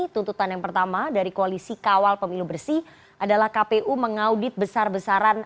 tuntutan yang pertama dari koalisi kawal pemilu bersih adalah kpu mengaudit besar besaran